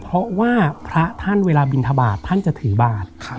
เพราะว่าพระท่านเวลาบินทบาทท่านจะถือบาท